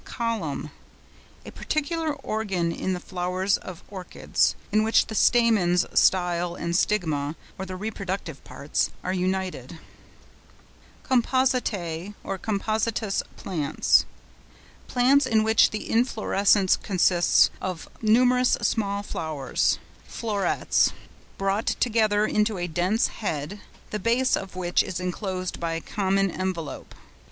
COLUMN.—A peculiar organ in the flowers of Orchids, in which the stamens, style and stigma (or the reproductive parts) are united. COMPOSITÆ or COMPOSITOUS PLANTS.—Plants in which the inflorescence consists of numerous small flowers (florets) brought together into a dense head, the base of which is enclosed by a common envelope.